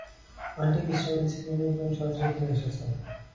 Aunty বিশ্রাম নিচ্ছে তুমি কোন সাহসে এখানে এসেছো?